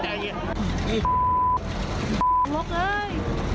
ไอ้โลกเฮ้ย